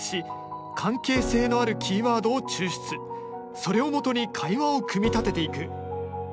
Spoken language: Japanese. それをもとに会話を組み立てていく。